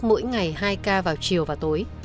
mỗi ngày hai ca vào chiều và tối